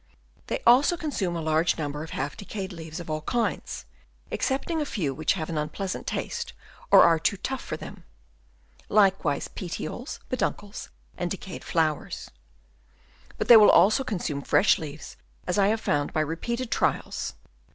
They also con sume a large number of half decayed leaves of all kinds, excepting a few which have an unpleasant taste or are too tough for them ; likewise petioles, peduncles, and decayed Chap. I. FOOD AND DIGESTION. 37 flowers. But they will also consume fresh leaves, as I have found by repeated trials.